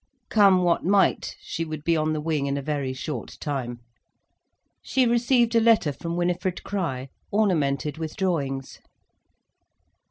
Come what might she would be on the wing in a very short time. She received a letter from Winifred Crich, ornamented with drawings.